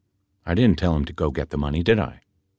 I didn't tell him to go get the money did I